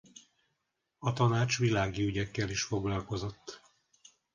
A tanács világi ügyekkel is foglalkozott.